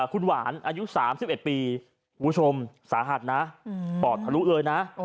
คุณหวานอายุสามสิบเอ็ดปีผู้ชมสาหัสนะอืมปอดทะลุเอยนะโอ้โห